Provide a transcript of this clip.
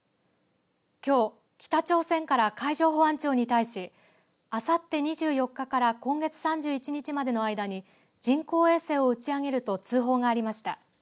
きょう北朝鮮から海上保安庁に対しあさって２４日から今月３１日までの間に人工衛星を打ち上げると通報がありました。